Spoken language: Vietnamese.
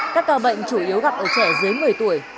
các ca bệnh chủ yếu gặp ở trẻ dưới một mươi tuổi